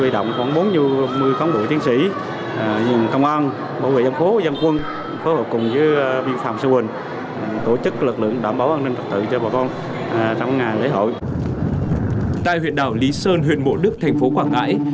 tại huyện đảo lý sơn huyện mộ đức thành phố quảng ngãi